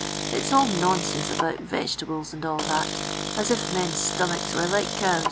It's all nonsense about vepelabVs and all tliat. as if men's stoniarhs were like c«>w.